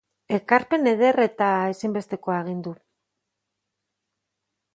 Ekarpen eder eta ezinbestekoa egin du.